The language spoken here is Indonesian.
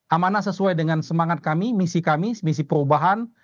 amanah sesuai dengan semangat kami misi kami misi perubahan